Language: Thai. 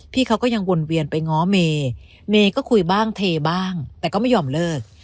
เขาก็ยังวนเวียนไปง้อเมย์ก็คุยบ้างเทบ้างแต่ก็ไม่ยอมเลิก